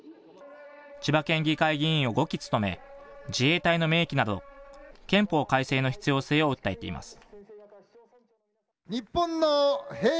千葉県議会議員を５期務め、自衛隊の明記など、憲法改正の必要性を訴えています。